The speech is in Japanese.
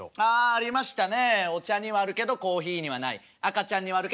ありましたね